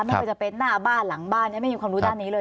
ไม่ว่าจะเป็นหน้าบ้านหลังบ้านไม่มีความรู้ด้านนี้เลย